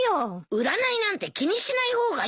占いなんて気にしない方がいいよ。